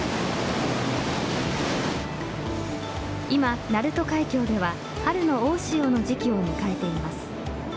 今、鳴門海峡では春の大潮の時期を迎えています。